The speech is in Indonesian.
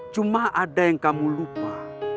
cuma ada yang kamu lupa